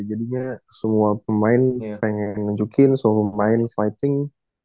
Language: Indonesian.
jadinya semua pemain pengen nunjukin semua pemain fighting